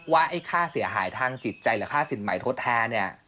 ไอ้ค่าเสียหายทางจิตใจหรือค่าสินใหม่ทดแทนเนี่ย